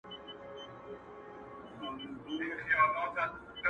درباندې گرانه يم په هر بيت کي دې نغښتې يمه_